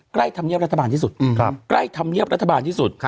ใกล้ทำเงียบรัฐบาลที่สุดใกล้ทำเงียบรัฐบาลที่สุด